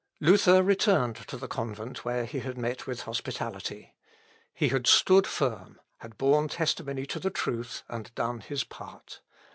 Luther returned to the convent where he had met with hospitality. He had stood firm, had borne testimony to the truth and done his part.